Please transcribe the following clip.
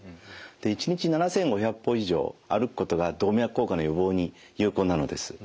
１日７，５００歩以上歩くことが動脈硬化の予防に有効なのです。